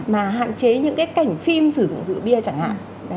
mà hạn chế những cái cảnh phim sử dụng rượu bia chẳng hạn